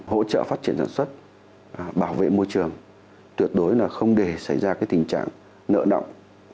hỗ trợ phát triển sản xuất bảo vệ môi trường tuyệt đối là không để xảy ra tình trạng nợ động